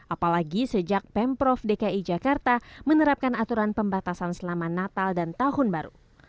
apalagi sejak pemprov dki jakarta menerapkan aturan pembatasan selama natal dan tahun baru